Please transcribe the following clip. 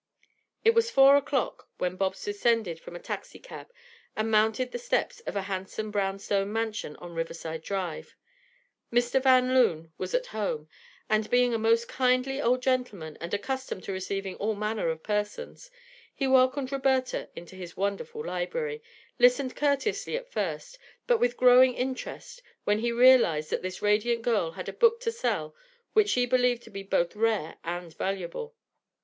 It was four o'clock when Bobs descended from a taxicab and mounted the steps of a handsome brown stone mansion on Riverside Drive. Mr. Van Loon was at home and, being a most kindly old gentleman and accustomed to receiving all manner of persons, he welcomed Roberta into his wonderful library, listened courteously at first, but with growing interest, when he realized that this radiant girl had a book to sell which she believed to be both rare and valuable.